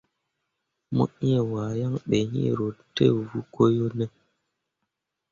Mo ĩĩ wahe yaŋ be iŋ ro ne hũũ ko yo ne ?